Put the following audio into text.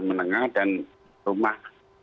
menengah dan rumah